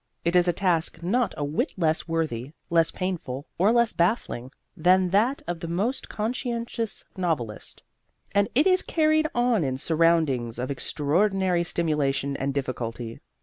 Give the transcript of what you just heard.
It is a task not a whit less worthy, less painful, or less baffling than that of the most conscientious novelist. And it is carried on in surroundings of extraordinary stimulation and difficulty.